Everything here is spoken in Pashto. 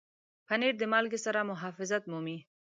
پنېر د مالګې سره محافظت مومي.